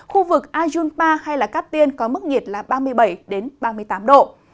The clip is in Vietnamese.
khu vực ajunpa hay là cát tiên có mức nhiệt là ba mươi bảy đến ba mươi tám độ